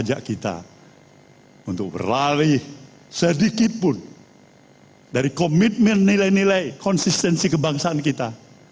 ajak kita untuk berlari sedikitpun dari komitmen nilai nilai konsistensi kebangsaan kita